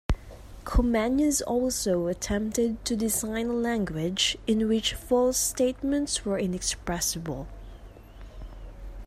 Comenius also attempted to design a language in which false statements were inexpressible.